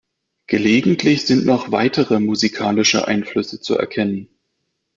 Gelegentlich sind noch weitere musikalische Einflüsse zu erkennen.